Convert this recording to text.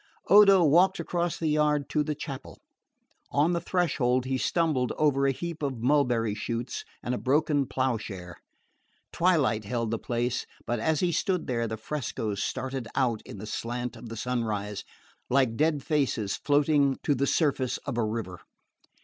Odo walked across the yard to the chapel. On the threshold he stumbled over a heap of mulberry shoots and a broken plough share. Twilight held the place; but as he stood there the frescoes started out in the slant of the sunrise like dead faces floating to the surface of a river.